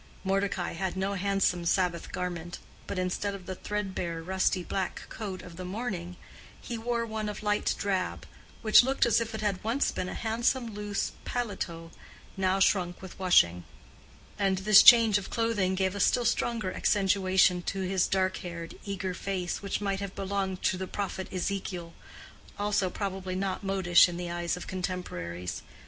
Mordecai had no handsome Sabbath garment, but instead of the threadbare rusty black coat of the morning he wore one of light drab, which looked as if it had once been a handsome loose paletot now shrunk with washing; and this change of clothing gave a still stronger accentuation to his dark haired, eager face which might have belonged to the prophet Ezekiel—also probably not modish in the eyes of contemporaries.